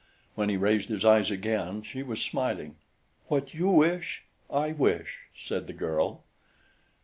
When he raised his eyes again, she was smiling. "What you wish, I wish," said the girl.